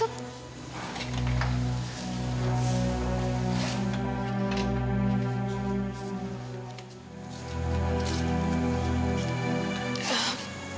cuma ada buah ini